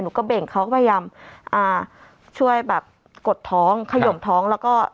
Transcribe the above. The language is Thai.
หนูก็เบ่งเขาก็พยายามอ่าช่วยแบบกดท้องขยมท้องแล้วก็